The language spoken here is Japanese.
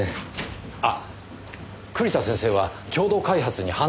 あっ栗田先生は共同開発に反対だったとか。